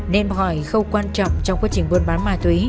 nên hỏi khâu quan trọng trong quá trình buôn bán ma túy